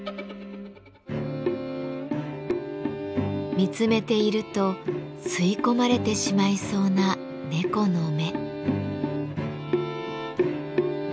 見つめていると吸い込まれてしまいそうな猫の目。